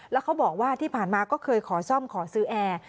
แล้วเขาบอกว่าที่ผ่านมาก็เคยขอซ่อมขอซื้อแอร์